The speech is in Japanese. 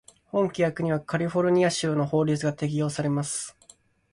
本規約にはカリフォルニア州の法律が適用されます。